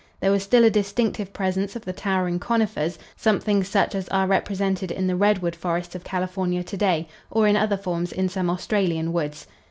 There was still a distinctive presence of the towering conifers, something such as are represented in the redwood forests of California to day, or, in other forms, in some Australian woods.